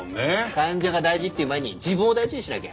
患者が大事っていう前に自分を大事にしなきゃ。